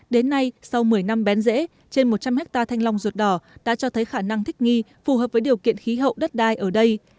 đến nay sau một mươi năm bén rễ trên một trăm linh hectare thanh long ruột đỏ đã cho thấy khả năng thích nghi phù hợp với điều kiện khí hậu đất đai ở đây